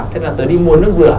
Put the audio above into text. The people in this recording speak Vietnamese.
thế là tớ đi mua nước rửa